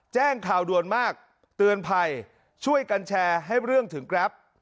แจ้งข่าวด่วนมากเตือนภัยช่วยกันแชร์ให้เรื่องถึงแกรป